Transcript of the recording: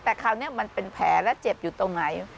แต่คราวนี้มันเป็นแผลและเจ็บอยู่ตรงไหน